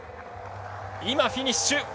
今、フィニッシュ。